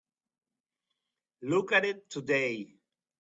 Look at it today.